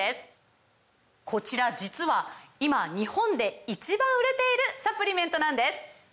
こちら実は今日本で１番売れているサプリメントなんです！